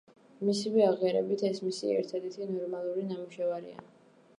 მისივე აღიარებით, ეს მისი ერთადერთი ნორმალური ნამუშევარია.